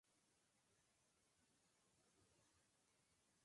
Asesinos y Violetas muertas.